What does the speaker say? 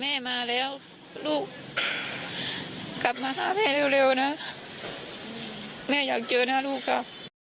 แม่มาแล้วลูกกลับมาฆ่าแม่เร็วนะแม่อยากเจอหน้าลูกครับ